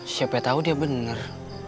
siapa tahu dia benar